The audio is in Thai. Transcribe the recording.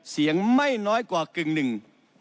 เสียงไม่น้อยกว่ากึ่งหนึ่ง